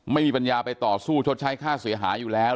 ปัญญาไปต่อสู้ชดใช้ค่าเสียหายอยู่แล้ว